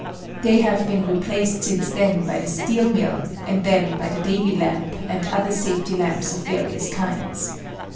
They have been replaced since then by the steel mill, and then by the Davy lamp, and other safety lamps of various kinds.